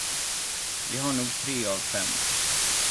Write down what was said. Vi har nog tre av fem.